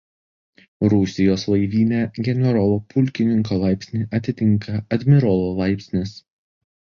Rusijos laivyne generolo pulkininko laipsnį atitinka admirolo laipsnis.